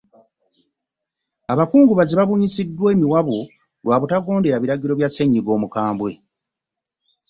Abakungubazi babunyiziddwa emiwabo lwa butagondera biragiro bya ssenyiga Omukambwe